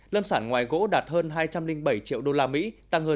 lâm sản ngoài gỗ đạt hơn hai trăm linh bảy triệu usd tăng hơn một mươi bốn